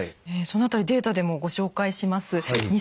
その辺りデータでもご紹介します。